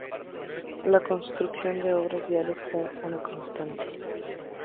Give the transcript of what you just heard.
La construcción de obras viales fue una constante.